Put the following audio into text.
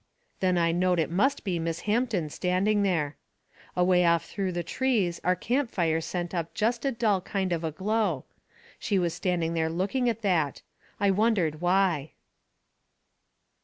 Then I knowed it must be Miss Hampton standing there. Away off through the trees our camp fire sent up jest a dull kind of a glow. She was standing there looking at that. I wondered why.